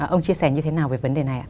ông chia sẻ như thế nào về vấn đề này ạ